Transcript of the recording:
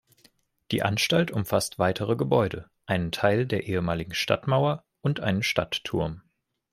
Die Anstalt umfasst weitere Gebäude, einen Teil der ehemaligen Stadtmauer und einen Stadtturm.